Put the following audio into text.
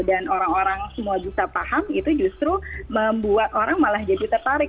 dan orang orang semua bisa paham itu justru membuat orang malah jadi tertarik